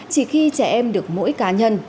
chỉ khi trẻ em được mỗi cá nhân